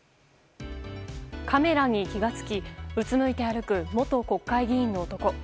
カメラに気が付きうつむいて歩く元国会議員の男。